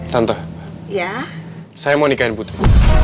tante ya saya mau nikahin putri